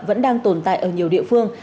vẫn đang tồn tại ở nhiều địa phương